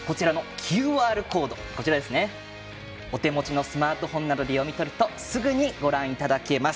ＱＲコードをお手持ちのスマートフォンなどで読み取るとすぐにご覧いただけます。